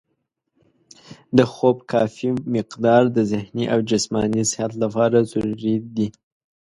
د خوب کافي مقدار د ذهني او جسماني صحت لپاره ضروري دی.